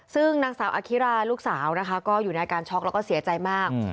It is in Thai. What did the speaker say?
ซึ่งนางสาวอคิราลูกสาวนะคะก็อยู่ในอาการช็อกแล้วก็เสียใจมาก